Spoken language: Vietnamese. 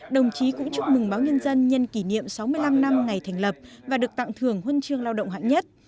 đồng chí cũng chúc mừng báo nhân dân nhân kỷ niệm sáu mươi năm năm ngày thành lập và được tặng thưởng huân chương lao động hạng nhất